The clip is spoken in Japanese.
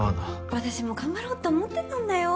私も頑張ろうって思ってたんだよ